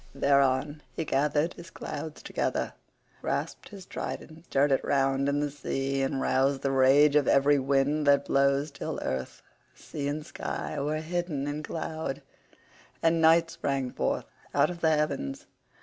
Thereon he gathered his clouds together, grasped his trident, stirred it round in the sea, and roused the rage of every wind that blows till earth, sea, and sky were hidden in cloud, and night sprang forth out of the heavens.